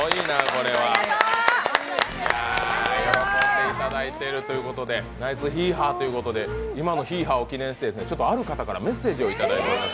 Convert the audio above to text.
これは喜んでいただいてるということでナイスヒーハーということで今のヒーハーを記念してちょっとある方からメッセージをいただいています。